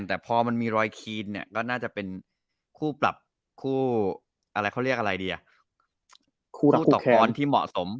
แต่พอมันมีรอยคีนก็น่าจะเป็นคู่ปรับคู่ตกปร้อนที่เหมาะสม